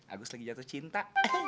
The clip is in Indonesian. agus lagi jatuh cinta